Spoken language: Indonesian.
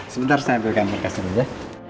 sebentar saya ambilkan perkasihnya ya